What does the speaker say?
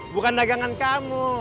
bukan dagangan kamu